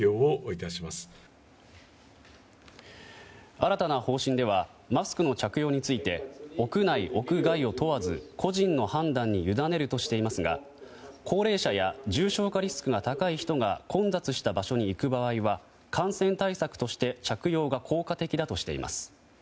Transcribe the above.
新たな方針ではマスクの着用について屋内、屋外を問わず個人の判断に委ねるとしていますが高齢者や重症化リスクが高い人が混雑した場所に行く場合は感染対策として着用が効果的だとしています。